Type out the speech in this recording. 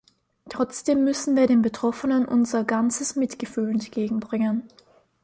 Trotzdem müssen wir den Betroffenen unser ganzes Mitgefühl entgegenbringen.